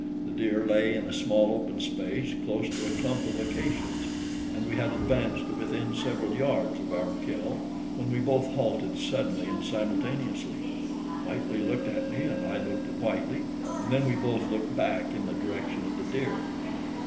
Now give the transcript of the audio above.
The deer lay in a small open space close to a clump of acacias, and we had advanced to within several yards of our kill when we both halted suddenly and simultaneously. Whitely looked at me, and I looked at Whitely, and then we both looked back in the direction of the deer.